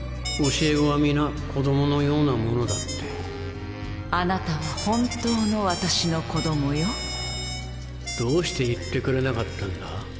教え子は皆子供のようなものだってあなたは本当の私の子供よどうして言ってくれなかったんだ？